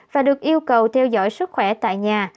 và được yêu cầu theo dõi sức khỏe tại nhà